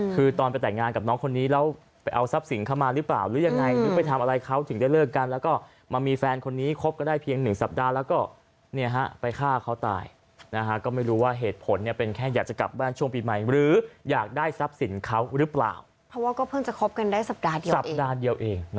คือตอนไปแต่งงานกับน้องคนนี้แล้วไปเอาทรัพย์สินเข้ามาหรือเปล่าหรือยังไงหรือไปทำอะไรเขาถึงได้เลิกกันแล้วก็มามีแฟนคนนี้คบก็ได้เพียงหนึ่งสัปดาห์แล้วก็ไปฆ่าเขาตายนะฮะก็ไม่รู้ว่าเหตุผลเนี่ยเป็นแค่อยากจะกลับบ้านช่วงปีใหม่หรืออยากได้ทรัพย์สินเขาหรือเปล่าเพราะว่าก็เพิ่งจะคบกันได้สัปดาห์เดียวสัปดาห์เดียวเอง